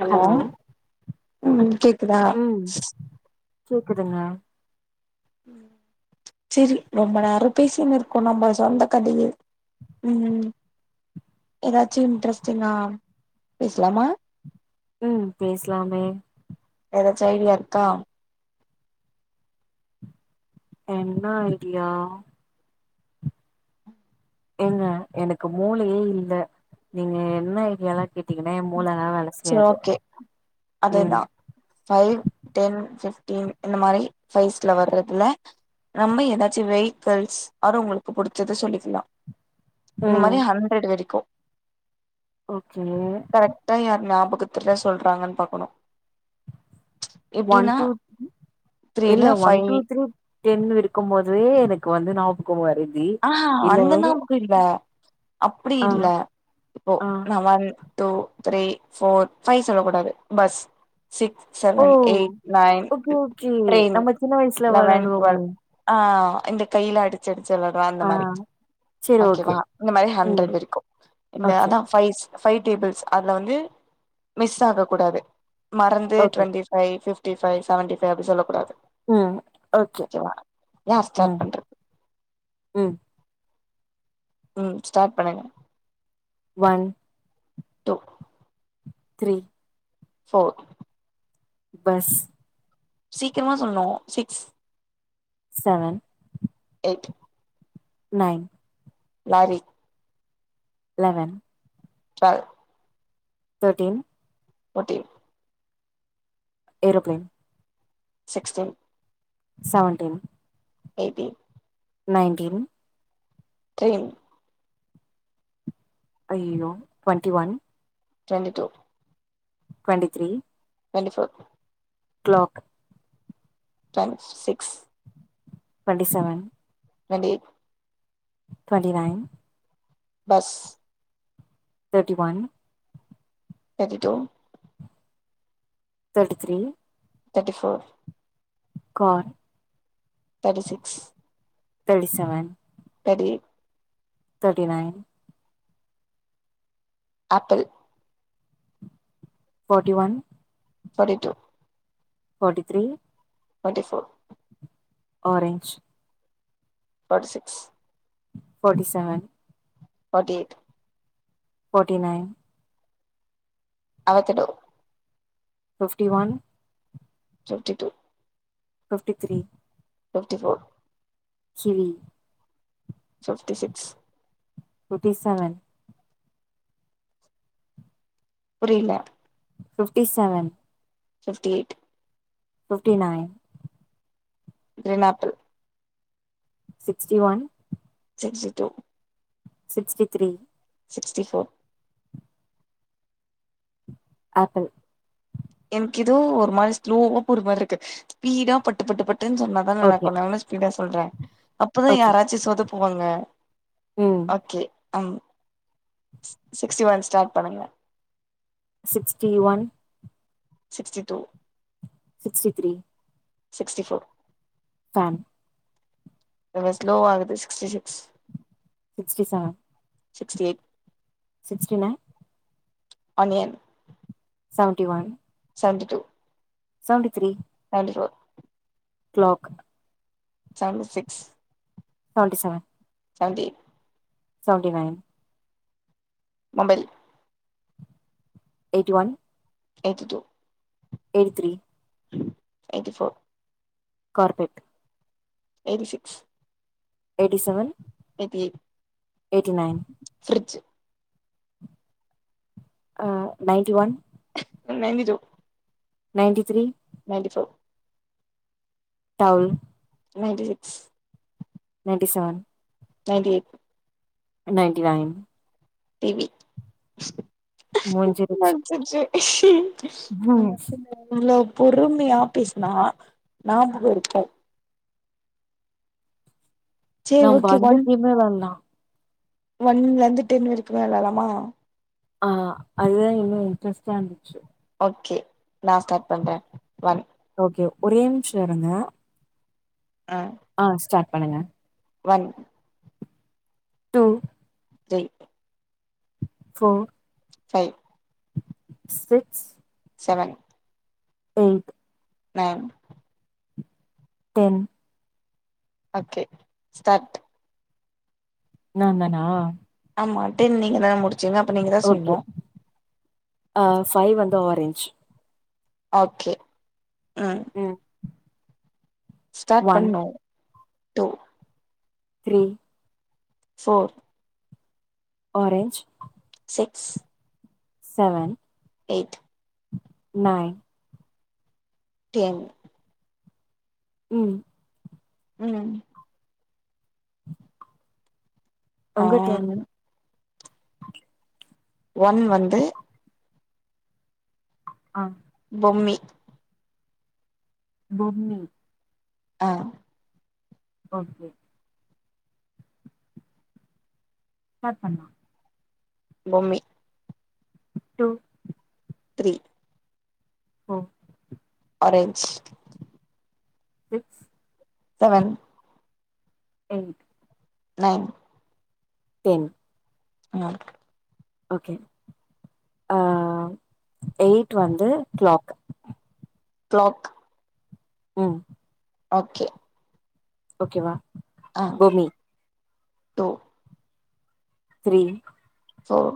Hello ம் கேக் குதா? ம் கேக்குதுங்க. ம் செரி ரொம்ப நேரோ பேசினு இருக்கோ நம்ப சொந்த கதையே ம் ஏதாச்சு இன்ட்ரெஸ்ட்டிங்கா பேசலாமா? ம் பேசலாமே. எதாச்சு ஐடியா இருக்கா? என்ன ஐடியா? ஏங்க எனக்கு மூளையே இல்ல நீங்க என்ன ஐடியால்லா கேட்டீங்கன்னா ஏன் சேரி ஓகே ம் அதுதா ஃபைவ் டென் ஃபிஃப் ட்டீன் இந்த மாரி ஃபைவ்ஸ்ல வர்றதுல நம்ம ஏதாச்சு வெஹிக்கல்ஸ் அது உங்களுக்கு புடிச்சத சொல்லிக்கலா. இந்த மாரி ம் ஹண்ட்ரட் வரைக்கு ஓகே கரெக்டா யார் ஞாபகத்துல சொல்றாங்கன்னு பாக்கணு ஒன் எப்டின்னா டூ த்ரீல இல்ல one five two three ten இருக்கும்போதே எனக்கு வந்து ஞா பகோ மற ஆ ஹா அந்த ஞாபகோ இல்ல அப்படி ஆ இல்ல இப்போ ஆ நா one two three four five சொல்லக் கூடாது பஸ் சிக்ஸ் ஓ seven eight nine okay okay train நம்ம சின்ன வயசுல லெவன் டுவெல் வெளாடுவோமே ஆ இந்த கைல அடிச்சு அடிச்சு வெளாடு வோ அந்த ஆ மாரி செரி ஓகே ஓகேவா? இந்த மாரி ம் ஹன்ட்ரட் வரைக்கு. இந்த ஓகே அதா ஃபைவ்ஸ் ஃபைவ் டேபிள்ஸ் அதுல வந்து மிஸ் ஆகக் கூடாது. மறந்து okay twenty five fifty five seventy five அப்டி சொல்லக்கூடாது. ம் ஓகே யார் ஸ்டார்ட் ம் பண்றது ம் ம் ஸ்டார்ட் பண்ணுங்க. One two three four bus சீக்கிரமா சொல்ணு six seven eight nine lorry eleven twelve thirteen fourteen aeroplane sixteen seventeen eighteen nineteen train ஐயயோ twenty one twenty two twenty three twenty four clock twenty six twenty seven twenty eight twenty nine bus thirty one thirty two thirty three thirty four car thirty six thirty seven thirty eight thirty nine apple forty one forty two forty three forty four orange forty six forty seven forty eight forty nine avocado fifty one fifty two fifty three fifty four kiwi fifty six fifty seven புரியல fifty seven fifty eight fifty nine green apple sixty one sixty two sixty three sixty four apple எனக்கு ஏதோ ஒரு மாரி ஸ்லோவா போற மாரி இருக்கு speedo பட்டு பட்டு பட் டுன்னு சொன்னாதான நல்லா ஓகே இருக்கு நா எவ்ளோ ஸ்பீடா சொல்றே அப்பதா ஓகே யாராச்சு சொதப் புவோங்க ம் ஓகே அம் ஸ் சிக்ஸ்டி ஒன் ஸ்டார்ட் பண்ணுங்க. Sixty one sixty two sixty three sixty four fan கொஞ்ச ஸ்லோ ஆகுது சிக்ஸ்டி சி sixty seven sixty eight sixty nine onion seventy one seventy two seventy three seventy four clock seventy six seventy seven seventy eight seventy nine mobile eighty one eighty two eighty three eighty four carpet eighty six eighty seven eighty eight eighty nine fridge ஆ ninety one அ ninety two ninety three ninety four down ninety six ninety seven ninety eight ninety nine TV முஞ்சிருச்சு இஷ்ஷ எனக்குள்ள இவ்ளோ பொறுமையா பேசுனா ஞாபகோ இருக்கு சேரி நாம்ப ஓகே அந்த ஒன் [unintelligible] வெளையாடலா ஒன்ல இருந்து டென் வரைக்கு வெளயாடலாமா? ஆ அதுதா இன்னு இன்ட்ரெஸ்ட்டா இருந்துச்சு. ஓகே நா ஸ்டார்ட் பண்றே ஒன் ஓகே ஒரே நிமிஷோ இருங்க ஆ ஆ ஸ்டார்ட் பண்ணுங்க one two three four five six seven eight nine ten okay start. நாந்தானா? ஆமா டென் நீங்கதான முடி ஓகே ஆ ஃபைவ் வந்து ஆரஞ்ச் ஓகே ம் ஸ்டார்ட் ஒன் பண்ணணு. Two three four orange six seven eight nine ten ம் ம் ஆ உங்க டர்ன் நா [inaudible] ஒன் வந்து ஆ பொம்மி பொம்மி ஆ ஓகே ஸ்டார்ட் பண்லா. பொம்மி. Two three four orange six seven eight nine ten ஆ ஓகே ஆ எய்ட் வந்து கிளாக். க்ளாக் ம் ஓகே ஓகேவா? ஆ பொம்மி two three four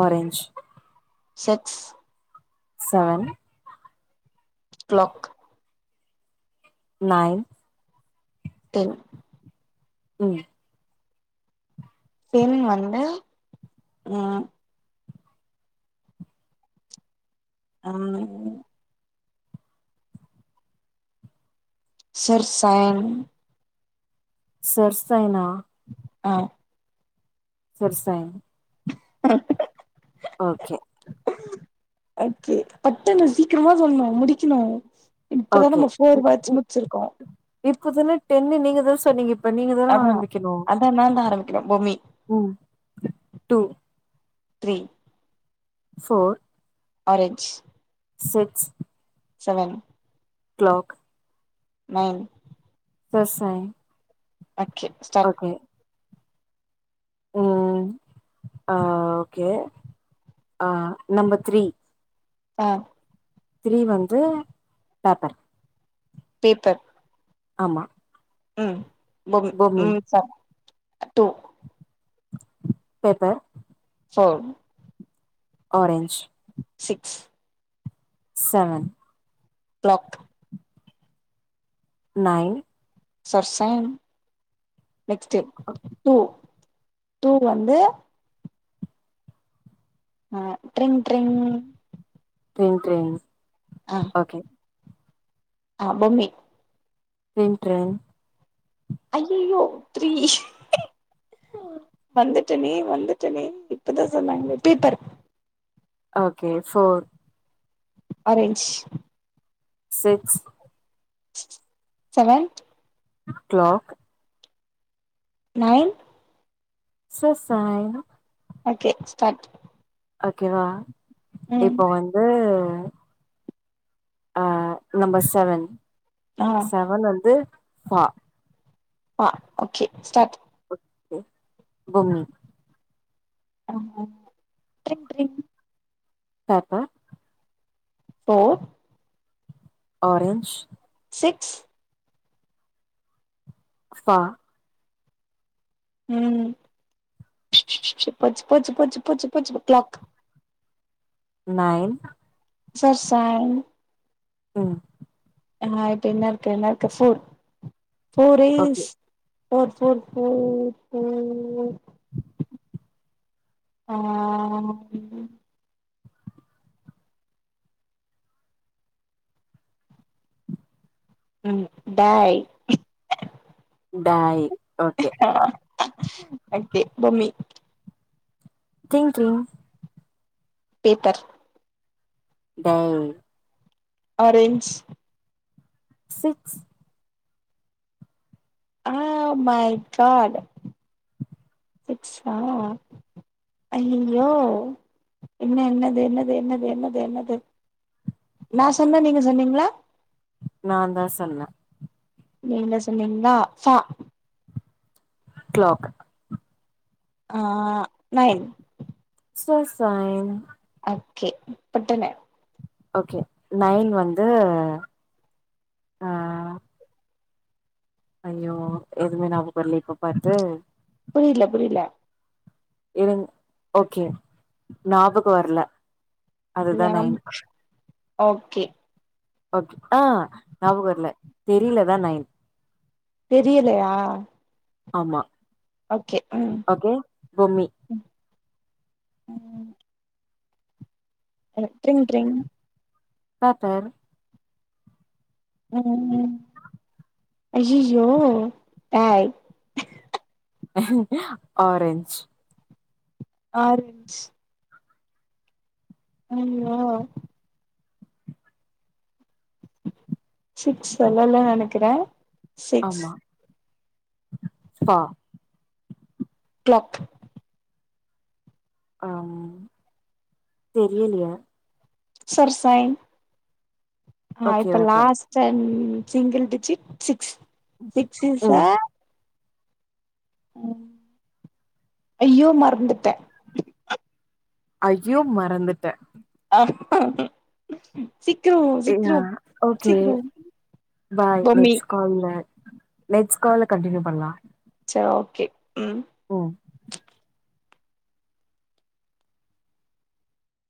orange six seven clock nine ten ம் டென் வந்து ம் ம் சர்ஸாயன் சர்ஸாயனா? ஆ சர்ஸாயன் ஆஹ [inaudible] ஓகே ஓகே பட்டுன்னு சீக்கிரமா சொல்ணு முடிக்கணு இப்பதா நம்ம ஃபோர் வேர்ட்ஸ் முடிச்சிருக்கோ. இப்பதான டென்னு நீங்கதா சொன்னீங்க அப்ப நீங்கதான அதா ஆரம்பிக்கணு அதா நாந்தா ஆரம்பிக்கணு பூமி ம் two three four orange six seven clock nine சர்ஸாய் ஓகே ஸ்டார்ட் ம் ஆ ஓகே ஆ நம்பர் த்ரீ ஆ த்ரீ வந்து பேப்பர் பேப்பர் ஆமா ம் மொஹு பொம்மி ம் start paper four orange six seven clock nine சர்ஸாயன் நெக்ஸ்ட்டு டூ டூ வந்து ஆ ட்ரிங் ட்ரிங் ட்ரிங் ட்ரிங் ஆ ஓகே ஆ பொம்மி ட்ரிங் ட்ரிங் ஐயயோ த்ரீ வந்துட்டனே வந்துட்டனே இப்பதா சொன்னாங்களே paper okay four orange six seven clock nine சர்ஸாயனு ஓகே ஸ்டார்ட் ஓகேவா? ம் இப்ப வந்து ம் ஆ நம்பர் செவன் ஆ செவன் வந்து ஃபா ஃபா ஓகே ஸ்டார்ட் ப்போ பொம்மி ஆ ட்ரிங் ட்ரிங் பேப்பர் ஃபோர் ஆரஞ்ச் சிக்ஸ் ஃபா ம் போச்சு போச்சு போச்சு போச்சு போச்சு போ கிளாக் நைன் சர்ஸாயன் ம் ஆ இப்ப என்ன இருக்கு என்ன இருக்கு four four is four four four four ஆ ம் ம் டாய் டாய் அ கே பொம்மி ட்ரிங் ட்ரிங் பேப்பர் டாய் ஆரஞ்ச் சிக்ஸ் ஆ மை காட் சிக்ஸா ஐயயோ என்ன என்னது என்னது என்னது என்னது என்னது நா சொன்னே நீங்க சொன்னீங்களா? நாந்தா சொன்னே நீங்க சொன்னீங்களா ஃபா க்ளாக் ஆ நைன் சர்ஸாயன் ஓகே பட்டுன்னு ஓகே நைன் வந்து ஆ ஐயோ எதுமே ஞாபகோ வரலையே இப்ப பாத்து புரியல புரியல இருங் ஓகே ஞாபகோ வர்ல. ஞாபகோ ஓகே ஓகே ஆ ஞாபகோ இல்ல தெரியலதா நைன் தெரியலையா ஆமா ஓகே ம் ஓகே பொம்மி ம் ம் அ ட்ரிங் ட்ரிங் பேப்பர் ம் ஐயயோ ஆய் ஆரஞ்ச் ஆரஞ்ச் ஐயோ சிக்ஸ் சொல்லல நெனைக்கிறே சிக்ஸ் ஆமா ஃபா க்ளாக் அம் தெரியலையா சர்ஸாயன் ஆ ஓகே இப்ப okay last time single digit six six is ம் ஆ ம் ஐயோ மறந்துட்ட ஐயோ மறந்துட்ட சீக்கிரோ ஏன்னா சீக்கிரோ ஓகே சீக்கிரோ பாய் பொம்மி நெக்ஸ்ட் கால்ல நெக்ஸ்ட் கால்ல கண்டினியூ பண்லா. சேரி ஓகே ம் ம்